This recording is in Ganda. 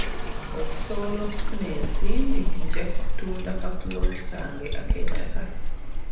Okusobola okufuna ensimbi, nja kutunda ka ppoloti kange ak'ettaka.